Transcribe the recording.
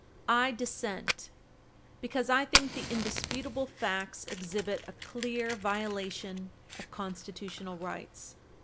I dissent, because I think the indisputable facts exhibit a clear violation of Constitutional rights.